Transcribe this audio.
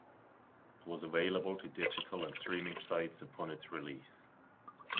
It was available to digital and streaming sites upon its release.